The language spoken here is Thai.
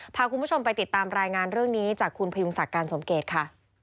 พาคุณผู้ชมไปติดตามรายงานเรื่องนี้จากคุณพยุงศักดิ์การสมเกตค่ะ